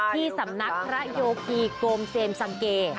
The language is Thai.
ที่สำนักพระโยกีโกมเจมสังเก